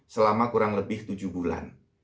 selama kurang lebih tujuh bulan